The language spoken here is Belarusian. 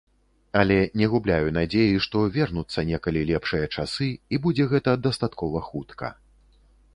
Але не губляю надзеі, што вернуцца некалі лепшыя часы і будзе гэта дастаткова хутка.